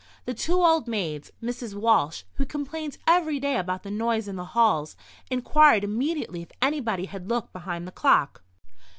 The two old maids, Misses Walsh, who complained every day about the noise in the halls, inquired immediately if anybody had looked behind the clock.